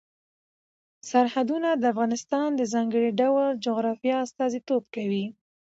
سرحدونه د افغانستان د ځانګړي ډول جغرافیه استازیتوب کوي.